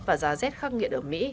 và giá rét khắc nghiện ở mỹ